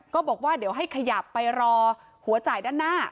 ก็บอกว่าเดี๋ยวให้ขยับไปรอหัวจ่ายด้านหน้า